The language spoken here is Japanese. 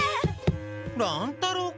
乱太郎君。